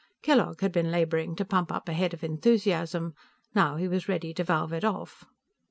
Kellogg had been laboring to pump up a head of enthusiasm; now he was ready to valve it off.